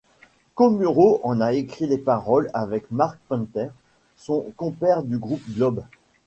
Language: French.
Komuro en a écrit les paroles avec Marc Panther, son compère du groupe globe.